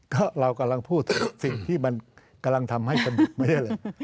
ก็เรากำลังพูดสิ่งที่มันกำลังทำให้กันไม่ได้เลย